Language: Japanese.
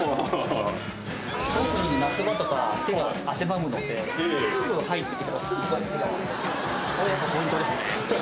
特に夏場とか手が汗ばむのですぐ入って来たらすぐこれやっぱポイントですね。